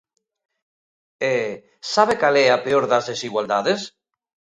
E ¿sabe cal é a peor das desigualdades?